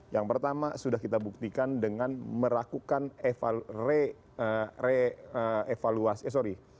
yang pertama sudah kita buktikan dengan merakukan revaluasi eh sorry